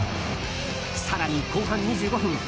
更に後半２５分